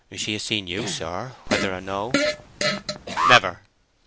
"She has seen you, sir, whether or no." "Never."